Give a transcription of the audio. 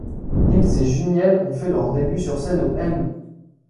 Niel & Juniel ont fait leurs débuts sur scène au M!